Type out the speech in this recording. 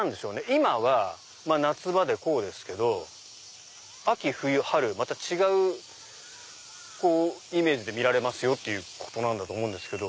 今は夏場でこうですけど秋冬春また違うイメージで見られますよっていうことだと思うんですけど。